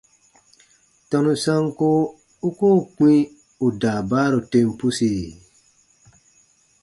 Tɔnu sanko u koo kpĩ ù daabaaru tem pusi?